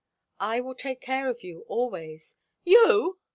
"I will take care of you, always." "You!"